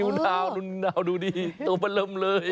นิ้วนาวดูดิตัวมันเริ่มเลย